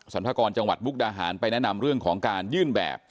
พากรจังหวัดมุกดาหารไปแนะนำเรื่องของการยื่นแบบ